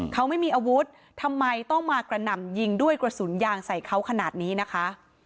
เขาไม่มีอาวุธทำไมต้องมากระหน่ำยิงด้วยกระสุนยางใส่เขาขนาดนี้นะคะ